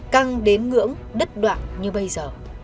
căng đến ngưỡng đất đoạn như bây giờ